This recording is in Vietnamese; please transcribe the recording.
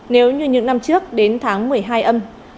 nếu như những năm trước đến tháng một mươi hai âm